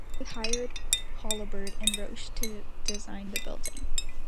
They hired Holabird and Roche to design the building.